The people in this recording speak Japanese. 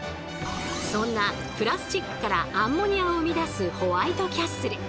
そんなプラスチックからアンモニアを生み出すホワイトキャッスル。